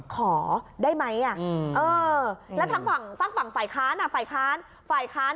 ขอได้ไหมอ่ะอืมเออแล้วทางฝั่งฝั่งฝ่ายค้านอ่ะฝ่ายค้าน